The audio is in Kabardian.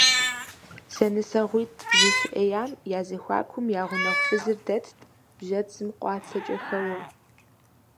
ЗэнысэгъуитӀ зэщыӀеям я зэхуакум я гъунэгъу фызыр дэтт, бжьэцым къуацэкӀэ хэуэу.